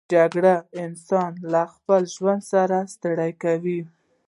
جګړه انسان له خپل ژوند ستړی کوي